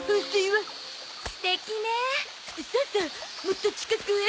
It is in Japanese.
もっと近くへ。